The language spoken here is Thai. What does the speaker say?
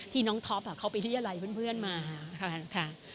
ที่น้องท็อปเขาไปเลี่ยอะไรเพื่อนมา